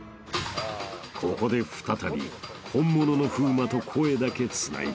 ［ここで再び本物の風磨と声だけつないでみる］